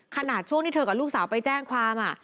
ขนาดช่วงที่เธอกับลูกสาวไปแจ้งความ